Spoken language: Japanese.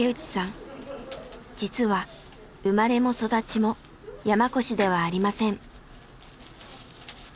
実は生まれも育ちも山古志ではありません。